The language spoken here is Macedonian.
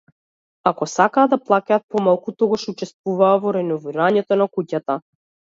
Ако сакаа да плаќаат помалку, тогаш учествуваа во реновирање на куќата.